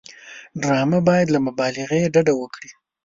ډرامه باید له مبالغې ډډه وکړي